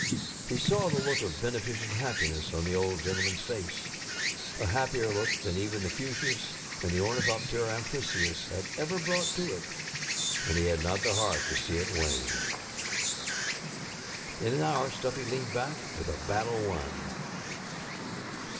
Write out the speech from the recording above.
He saw the look of beneficent happiness on the Old GentlemanŌĆÖs face ŌĆö a happier look than even the fuchsias and the omi thoptera amphrisius had ever brought to it ŌĆö and he had not the heart to see it wane. In an hour Stuffy leaned back with a battle won.